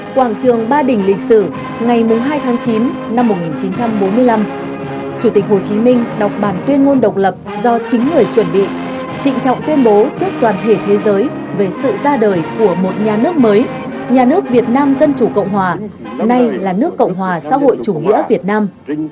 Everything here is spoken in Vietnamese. quảng trường ba đình lịch sử ngày hai tháng chín năm một nghìn chín trăm bốn mươi năm chủ tịch hồ chí minh đọc bản tuyên ngôn độc lập do chính người chuẩn bị trịnh trọng tuyên bố trước toàn thể thế giới về sự ra đời của một nhà nước mới nhà nước việt nam dân chủ cộng hòa nay là nước cộng hòa xã hội chủ nghĩa việt nam